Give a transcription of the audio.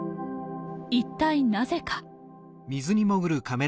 一体なぜか？